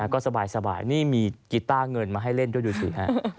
ก็สบายนี่มีกีต้าเงินมาให้เล่นด้วยดูสิฮะ